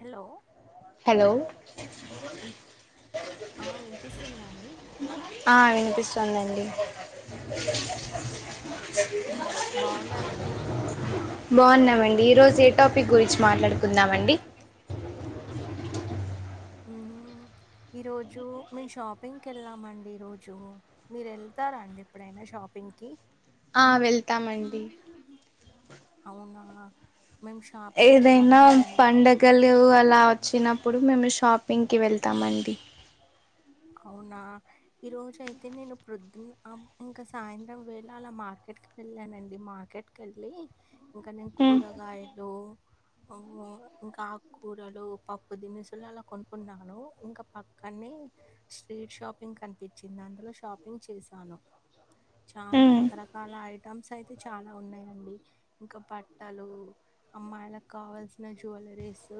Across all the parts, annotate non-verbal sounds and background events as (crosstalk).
Hello hello ఆ వినిపిస్తుందా అండి కలండి ్హ్హ్ బాగున్నారండి బాగున్నామండి ఈరోజ ఎట్ టాపిక్ గురించి బాగున్నామండి ఈ రోజు ఏ మాట్లాడుకుందామండి టాపిక్ గురించి ఈరోజు మేము షాపింగ్కి వెళ్దామండి ఈరోజు మీరు వెళ్తారా అండి ఎప్పుడైనా షాపింగ్కిి ఆ వెళ్తామండి అవునా మేము షాపింగ్కి ఏదైనా వెళ్ళామండి ఎందుకు ఏదైనా పండగలు అలా వచ్చినప్పుడు మేము షాపింగ్కి వెళ్తామండి అవునా ఈ రోజు అయితే నేను ప్రొద్దున ఇంకా సాయంత్రం వేళ అలా మార్కెట్ కి వెళ్ళానండి మార్కెట్ కి వెళ్ళి ఇంకానే ఉమ్ కూరగాయలు ఇంకా ఆకూరలు పప్పు దినుసులు అలా కొనుక్కున్నాను ఇంకా పక్కనే స్ట్రీట్ షాపింగ్ కనిపించింది అందులో షాపింగ్ చేశాను చాలా ఉమ్ రకరకాల ఐ టమ్స్ అయితే చాలా ఉన్నాయంండి ఇంకా బట్టలు అమ్మాయిలకు కావాల్సిన నా జువెలరీస్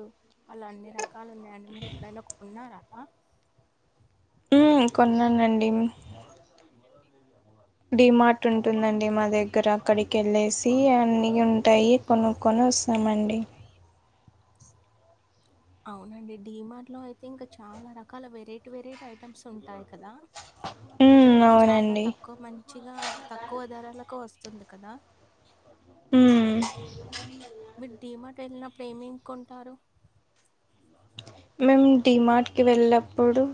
అలా అన్ని రకాలు ఉన్నాయండి మీరు ఎప్పుడైనా కొన్నార కొన్నానండి డిమార్ట్ ఉంటుందండి మా దగ్గర అక్కడికి వెళ్ళేసి అన్న ఉంటాయి కొనుక్కొని వస్తామండి అవునండి డిమార్ట్ లో అయితే ఇంకా చాలా రకాల వెరైటీ వెరైటీ ఐటమ్స్ ఉంటాయి కదా ఇంకా ఉమ్ చాలా అవునండి తక్కువ మంచిగా తక్కువ ధరాలకు వస్తుంది కదా హ్మ్ మీరు డి మార్ట్ వెళ్ళినప్పుడు మేము డిమార్ట్కి వెళ్ళప్పుడు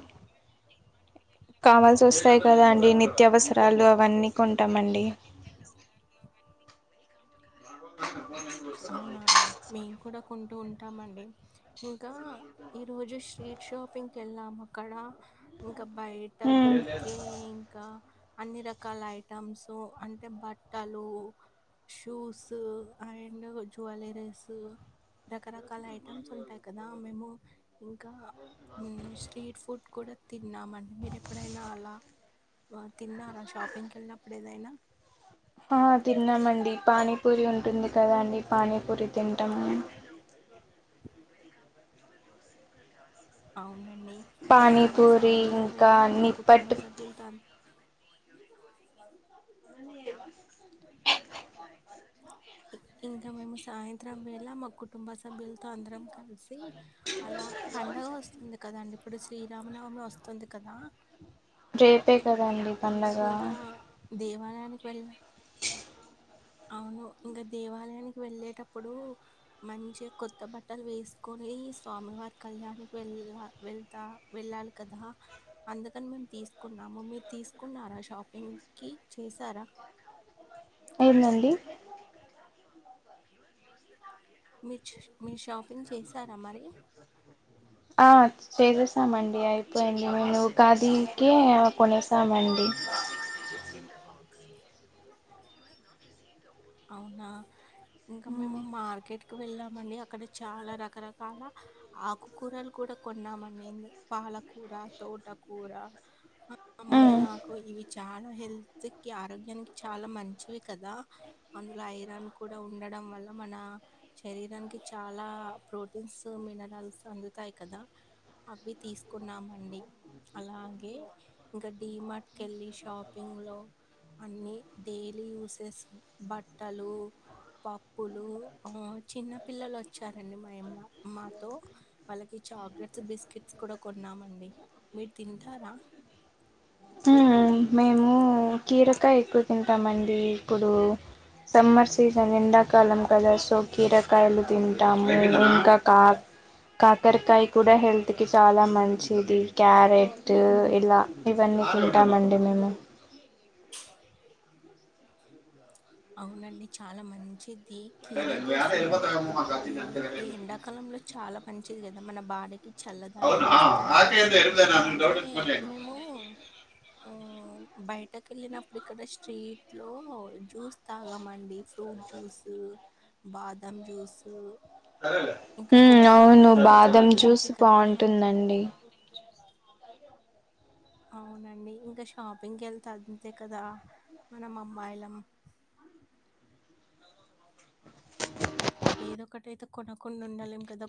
కావాల్సి వస్తాయి కదా అండి నిత్యావసరాలు అవన్నీ కొంటామండి నిత్యావసరాలు అవన్నీ ఉంటా అవునా! మేము (inaudible) కూడా కొంటు ఉంటామండి ఇంకా ఈరోజు స్ట్రీట్ షాపింగ్కి వెళ్ళాము అక్కడ ఇం ఇంకా బయట ఉమ్ దొరికే ఇంకా అన్ని రకాల ఐటమ్స్ అంటే బట్టలు షూస్ అండ్ ఇండ్ జువెలరీస్ రకరకాల ఐటమ్స్ ఉంటాయి కదా మేము ఇంకా స్ట్రీట్ ఫుడ్ కూడా తిన్నామ అంటే మీరు ఎప్పుడైనా అలా తిన్నారా షాపింగ్కి వెళ్ళినప్పుడు ఏదైనా ఆ తిన్నామండి పానీపూరి ఉంటుంది కదా అండి పానీపూరి తింటాం మేము అవునండి ఇంకా మేము పానీపూరి సాయంత్రం ఇంకా వేళ మా కుటుంబ నిప్పట్టు సభ్యులతో ఇంకా మేము సాయంత్రం వేళ మా కుటుంబ స సభ్యులతో అందరం కలిసి అలా పండగ వస్తుంది కదండి ఇప్పుడు శ్రీరామనవమి వస్తుంది కదా ప్పే కదండి పండగ ఇంకా దేవాల దానికి వెళ్ళ అవును ఇంకా దేవాలయానికి వెళ్ళేటప్పుడు మంచిగా కొత్త బట్టలు వేసుకొని స్వామివారి కళ్యాణకి వెళ్ళ వెళ్తా వెళ్ళాలి కదా అందుకని మేము తీసుకున్నాము మీరు తీసుకున్నారా షాపింగ్ కి చేసారా ఏందండి మీచ్ మీరు షాపింగ్ చేసారా మరి ఆ చేసేసామండి అయి పోయింది మేం ఉగాదికే కొనేశామండి కాశీ అవునా ఇంక మేము మార్కెట్ క్కకి వెళ్ళామండి అక్కడ చాలా రకరకాల ఆకుకూరలు కూడా కొన్నామండి పాలకూర తోటకూర ఉమ్ మునగాకు ఇవి చాలా హెల్త్ కి ఆరోగ్యానికి చాలా మంచివి కదా అందులో ఐరాన్ కూడా ఉండడం వల్ల మన శరీరానికి చాలా ప్రోటీన్స్ మినరల్స్ అందుతాయి కదా అవి తీసుకున్నామండి అలాగే ఇంకా మార్ట్కి వెళ్ళి షాపింగ్లో అన్నీ డైలీ యూసెస్ బట్టలు పప్పులు చిన్న పిల్లలు వచ్చారండి మాయమ్మ మాతో వాళ్ళకి చాక్లెట్స్ బిస్కట్స్ కూడా కొన్నామండి మీరు తింటారా మ్ మేము కీరకాయ ఎక్కువ తింటామ అండి ఇప్పుడు సమ్మర్ సీజన్ ఎండాకాలం కదా సో కీరకాయలు తింటాము ఇంకా కా కాకరకాయ కూడా హెల్త్ కి చాలా మంచిది క్యారెట్ ఇలా ఇవన్నీ తింటామండి మేము అవునండి చాలా మంచి ది కీర దోశ ఈ ఈ ఎండాకాలంలో చాలా మంచిది కదా మన బాడీ అవునా చల్లదనాన్ని ఇస్తుంది అలాగే మేము హ్మ్ బయటకి ఏళ్ళినప్పుడు ఇక్కడ స్ట్రీట్ లో జూస్ తాగామండి ఫ్రూట్ జ్యూస్ బాదం జ్యూస్ హుమ్ అవును బాదం చాలా జ్యూస్ మంచియి కదా! బాగుంటుందండి అవునండి ఇంకా షాపింగ్ కి వెళ్తే అంతే కదా మనం అమ్మాయిలం ఏదో ఒకటియితే కొనకుండా ఉండలేం కదా